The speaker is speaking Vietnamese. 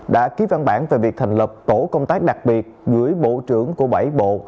đã ký văn bản về việc thành lập tổ công tác đặc biệt gửi bộ trưởng của bảy bộ